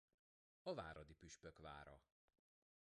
A váradi püspök vára.